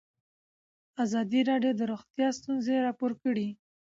ازادي راډیو د روغتیا ستونزې راپور کړي.